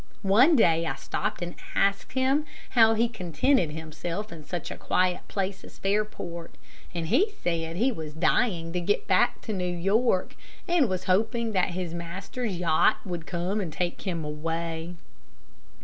One day I stopped and asked him how he contented himself in such a quiet place as Fairport, and he said he was dying to get back to New York, and was hoping that his master's yacht would come and take him away.